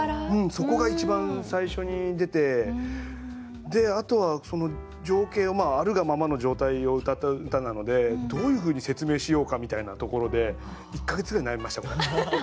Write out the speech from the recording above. そこが一番最初に出てあとはその情景をあるがままの状態をうたった歌なのでどういうふうに説明しようかみたいなところで１か月ぐらい悩みましたこれ。